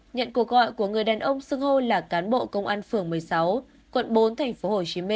nhận cuộc gọi của người đàn ông sưng hô là cán bộ công an phường một mươi sáu quận bốn tp hcm